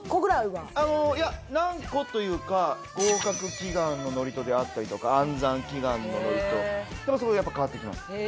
いや何個というか合格祈願の祝詞であったりとか安産祈願の祝詞やっぱそこで変わってきます